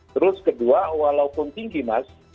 terus kedua walaupun tinggi mas